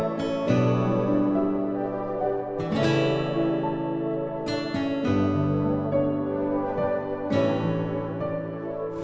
lo bantu gue